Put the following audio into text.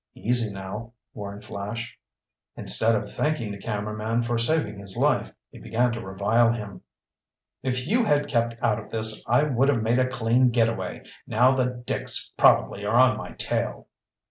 "Easy now," warned Flash. Instead of thanking the cameraman for saving his life, he began to revile him. "If you had kept out of this I would have made a clean get away! Now the dicks probably are on my tail!"